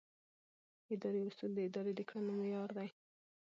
اداري اصول د ادارې د کړنو معیار دي.